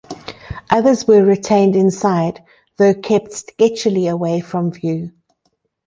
Others were retained inside, though kept sketchily away from view.